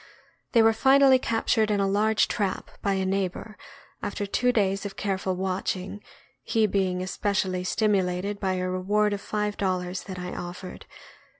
They were finally captured in a large trap, by a neigh bor, after two days of careful watching, he being especially 634 THE AMERICAN BOOK OF THE DOG. stimulated by a reward of live dollars that I offered.